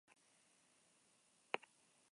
Haren gertuko bat da bigarren atxilotua.